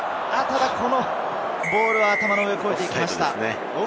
ボールが頭の上を越えていきました。